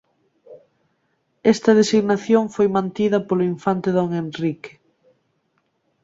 Esta designación foi mantida polo Infante D. Henrique.